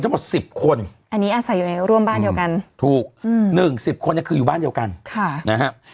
ทั้งหมด๑๐คนถูกหนึ่ง๑๐คนนี่คืออยู่บ้านเดียวกันครับ